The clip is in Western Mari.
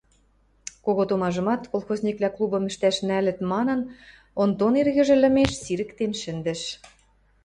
Кого томажымат, колхозниквлӓ клубым ӹштӓш нӓлӹт манын, Онтон эргӹжӹ лӹмеш сирӹктен шӹндӹш.